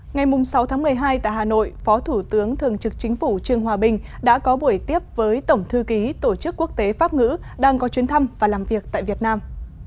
ngày sáu tháng một mươi hai tại hà nội phó thủ tướng thường trực chính phủ trương hòa bình đã có buổi tiếp với tổng thư ký tổ chức quốc tế pháp ngữ đang có chuyến thăm và làm việc tại việt nam